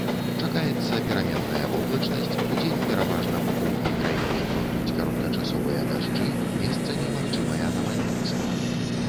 Чакаецца пераменная воблачнасць, удзень пераважна па поўдні краіны пройдуць кароткачасовыя дажджы, месцамі магчымыя навальніцы.